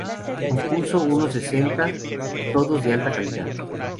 Compuso unos sesenta, todos de alta calidad.